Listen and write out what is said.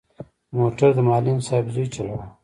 موټر د معلم صاحب زوی چلاوه.